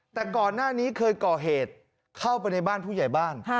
แต่ก่อนหน้านี้เคยก่อเหตุเข้าไปในบ้านผู้ใหญ่บ้าน